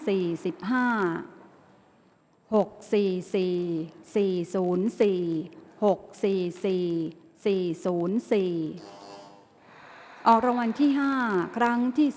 ออกรางวัลที่๕ครั้งที่๔